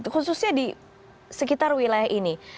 khususnya di sekitar wilayah ini